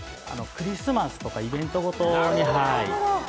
クリスマスとかイベントごとに。